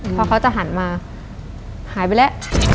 พอเขาจะหันมาหายไปแล้ว